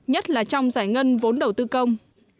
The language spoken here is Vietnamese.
nhất là trong giải ngân vốn đầu tư công